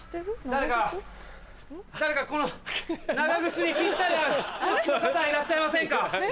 誰か誰かこの長靴にピッタリな足の方はいらっしゃいませんか？